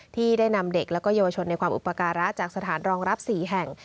ที่ได้นำเด็กและเยาวชนในความอุปการะจากสถานรองรับ๔แห่ง